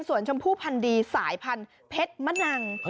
ส่วนชมพู่พันดีสายพันธุ์เพชรมะนัง